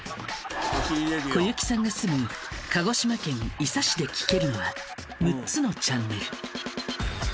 小雪さんが住む鹿児島県伊佐市で聴けるのは６つのチャンネル。